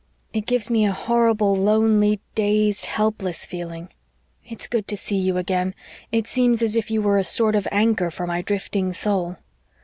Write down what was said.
It gives me a horrible lonely, dazed, helpless feeling. It's good to see you again it seems as if you were a sort of anchor for my drifting soul.